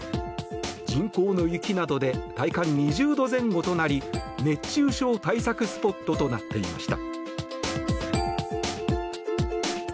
人工の雪などで体感２０度前後となり熱中症対策スポットとなっていました。